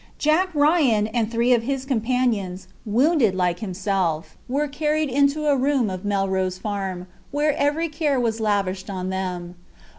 Jack Ryan and three of his companions, wounded like himself, were carried into a room of Melrose Farm, where every care was lavished on them.